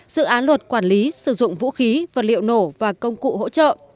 dự án luật quản lý sử dụng vũ khí vật liệu nổ và công cụ hỗ trợ